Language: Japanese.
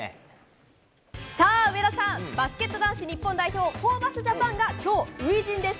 上田さん、バスケット男子日本代表ホーバスジャパンが今日、初陣です。